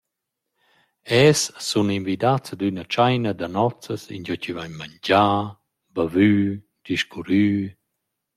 Els sun invidats ad üna tschaina da nozzas ingio chi vain mangià, bavü, discurrü.